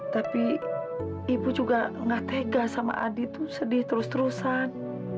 tapi ibu juga gak tega sama adi tuh sedih terus terusan